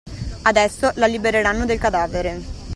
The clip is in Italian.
Adesso, la libereranno del cadavere.